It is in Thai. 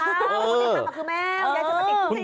คุณยายทำมาคือแมวยายจะไปติดคุกได้ยังไง